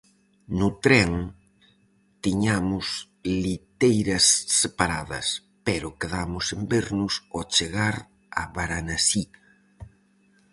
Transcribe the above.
No tren, tiñamos liteiras separadas, pero quedamos en vernos ao chegar a Varanasi.